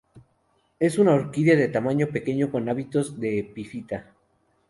Es una orquídea de tamaño pequeño con hábitos de epifita.